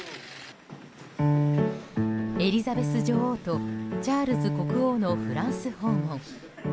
エリザベス女王とチャールズ国王のフランス訪問。